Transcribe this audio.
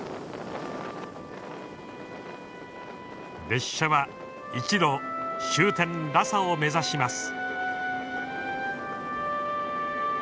列車は路終点ラサを目指します。